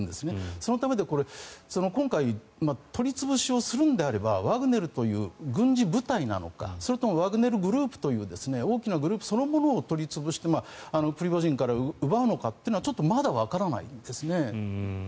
そのため、今回取り潰しをするんであればワグネルという軍事部隊なのかそれともワグネルグループという大きなグループそのものを取り潰してプリゴジンから奪うのかはちょっとまだわからないんですね。